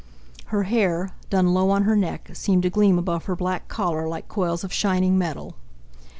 Her hair, done low on her neck, seemed to gleam above her black collar like coils of shining metal.